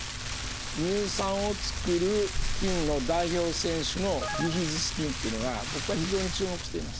乳酸を作る菌の代表選手のビフィズス菌っていうのが僕は非常に注目しています。